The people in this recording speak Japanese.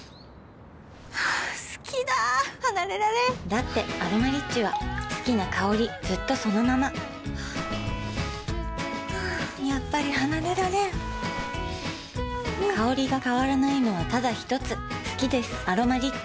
好きだ離れられんだって「アロマリッチ」は好きな香りずっとそのままやっぱり離れられん香りが変わらないのはただひとつ好きです「アロマリッチ」